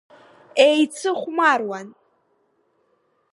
Еицыхәмаруан.